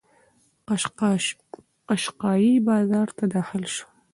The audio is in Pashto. قشقایي بازار ته داخل شو.